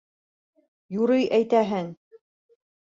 — Юрый әйтәһең...